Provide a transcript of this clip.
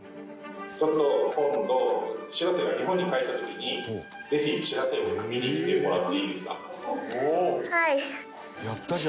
ちょっと今度しらせが日本に帰った時にぜひしらせを見に来てもらっていいですか？